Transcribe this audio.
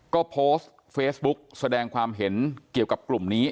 ก็โพสต์เฟซบุ๊กแสดงความเห็นเกี่ยวกับกลุ่มนี้